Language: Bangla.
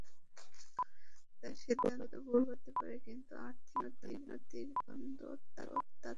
তাঁর সিদ্ধান্ত ভুল হতে পারে, কিন্তু আর্থিক দুর্নীতির নামগন্ধ তাতে নেই।